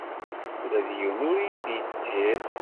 Ula d yiwen ur iyi-d-yettir.